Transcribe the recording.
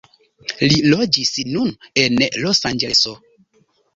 Li loĝis nun en Losanĝeleso.